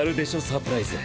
サプライズ。